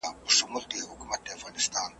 چي په خټه مو اغږلي ناپوهي او جهالت وي ,